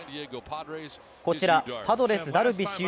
こちら、パドレス・ダルビッシュ